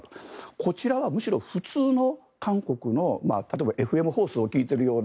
こちらは、むしろ普通の韓国の例えばＦＭ放送を聞いているような